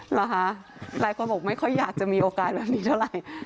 เหรอคะหลายคนบอกไม่ค่อยอยากจะมีโอกาสแบบนี้เท่าไหร่